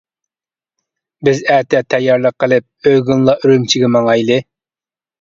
بىز ئەتە تەييارلىق قىلىپ ئۆگۈنلا ئۈرۈمچىگە ماڭايلى.